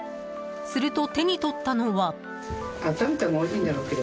すると手に取ったのは。